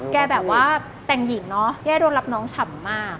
แบบว่าแต่งหญิงเนอะแกโดนรับน้องฉ่ำมาก